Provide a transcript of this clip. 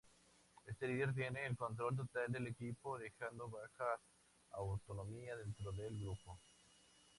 Este líder tiene el control total del equipo dejando baja autonomía dentro del grupo.